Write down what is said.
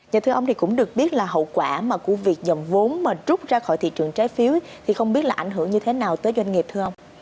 nhà thư ông cũng được biết là hậu quả của việc dòng vốn rút ra khỏi thị trường trái phiếu không biết là ảnh hưởng như thế nào tới doanh nghiệp thưa ông